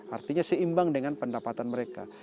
artinya seimbang dengan pendapatan mereka